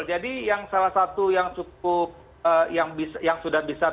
jadi yang salah satu yang cukup